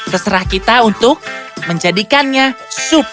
terserah kita untuk menjadikannya super